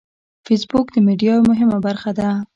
فېسبوک د میډیا یوه مهمه برخه ده